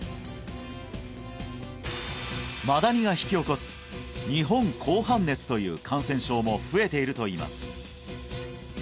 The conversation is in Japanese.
マダニが引き起こす日本紅斑熱という感染症も増えているといいます